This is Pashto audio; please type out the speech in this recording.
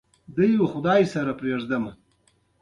تدريسي پلان يو منظم او منسجمه طرحه ده،